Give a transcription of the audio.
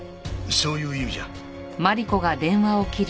そういう意味じゃ。